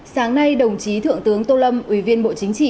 sáng nay đồng chí thượng tướng tô lâm ủy viên bộ chính trị